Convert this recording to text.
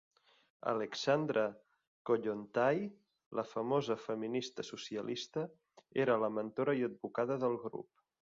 Alexandra Kollontai, la famosa feminista socialista, era la mentora i advocada del grup.